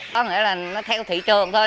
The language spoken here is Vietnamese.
nó nghĩa là nó theo thị trường thôi